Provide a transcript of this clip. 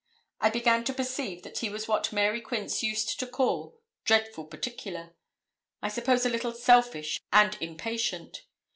I began to perceive that he was what Mary Quince used to call 'dreadful particular' I suppose a little selfish and impatient.